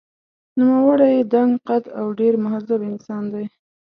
نوموړی دنګ قد او ډېر مهذب انسان دی.